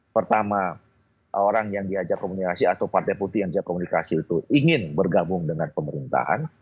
pertama orang yang diajak komunikasi atau partai putih yang dia komunikasi itu ingin bergabung dengan pemerintahan